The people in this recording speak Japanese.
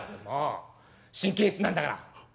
本当にもう神経質なんだから」。